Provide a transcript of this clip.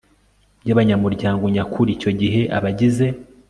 by abanyamuryango nyakuri Icyo gihe abagize